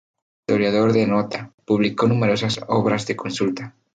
Historiador de nota, publicó numerosas obras de consulta.